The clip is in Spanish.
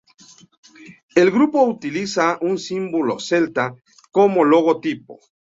El grupo utiliza un símbolo celta como logotipo.